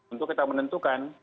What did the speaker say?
untuk kita menentukan